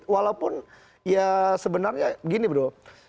walaupun ya sebenarnya begini bro